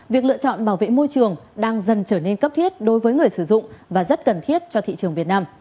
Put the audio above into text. việc lựa chọn bảo vệ môi trường đang dần trở nên cấp thiết đối với người sử dụng và rất cần thiết cho thị trường việt nam